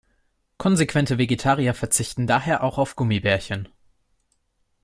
Konsequente Vegetarier verzichten daher auch auf Gummibärchen.